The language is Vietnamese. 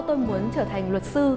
tôi muốn trở thành luật sư